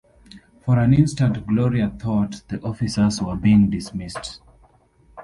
For an instant Gloria thought the officers were being dismissed.